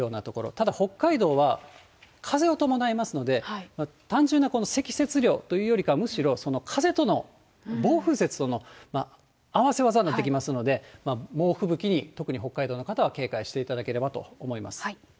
ただ、北海道は、風を伴いますので、単純な積雪量というよりか、むしろその風との、暴風雪との合わせ技になってきますので、猛吹雪に、特に北海道の方は警戒していただければと思います。